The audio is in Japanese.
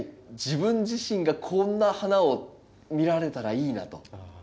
自分自身がこんな花を見られたらいいなと。